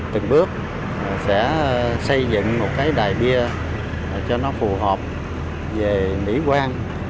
từng bước sẽ xây dựng một cái đài bia cho nó phù hợp về mỹ quan